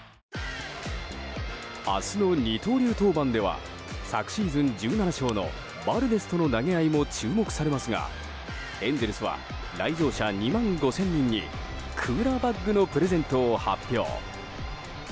明日の二刀流登板では昨シーズン１７勝のバルデスとの投げ合いも注目されますがエンゼルスは来場者２万５０００人にクーラーバッグのプレゼントを発表。